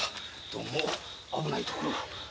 どうも危ないところを。